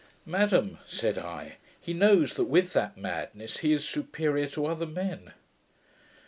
'Madam,' said I, 'he knows that with that madness he is superior to other men.'